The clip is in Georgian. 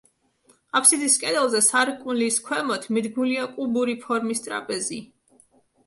აფსიდის კედელზე, სარკმლის ქვემოთ, მიდგმულია კუბური ფორმის ტრაპეზი.